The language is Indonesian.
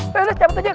beres cabut aja